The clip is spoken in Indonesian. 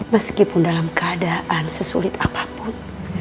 meskipun dalam keadaan sesulit apapun